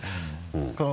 うん。